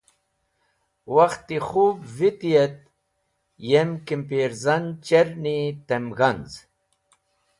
Wakht-e khob viti et yem kimpirzan cherni tem g̃hanz̃.